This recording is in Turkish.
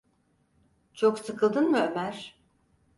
Çok sıkıldın mı, Ömer?